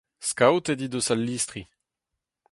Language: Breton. Skaotet he deus al listri.